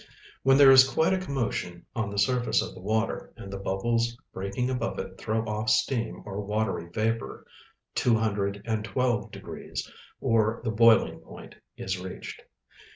When there is quite a commotion on the surface of the water, and the bubbles breaking above it throw off steam or watery vapor, two hundred and twelve degrees, or the boiling point, is reached.